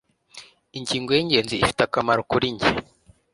Ingingo y'ingenzi ifite akamaro kuri njye